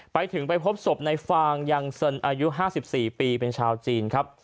ไปถึงไปพบศพในฟางยังเซินอายุ๕๔ปีเป็นชาวจีนครับ